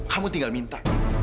kamu tinggal minta